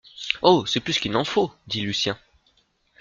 Oh, c’est plus qu’il n’en faut, dit Lucien